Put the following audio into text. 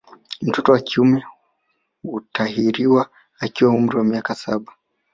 Mtoto wa kiume hutahiriwa akiwa na umri wa miaka saba